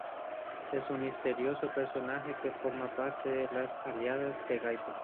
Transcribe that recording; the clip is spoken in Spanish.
Es un misterioso personaje que forma parte de las aliadas de Gaito.